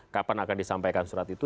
kapan akan disampaikan surat itu